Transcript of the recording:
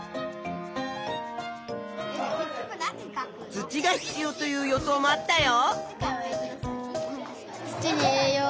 土が必要という予想もあったよ。